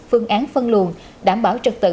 phương án phân luồn đảm bảo trật tự